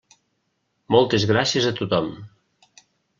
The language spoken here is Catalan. Moltes gràcies a tothom.